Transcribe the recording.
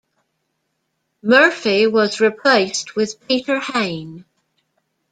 Murphy was replaced with Peter Hain.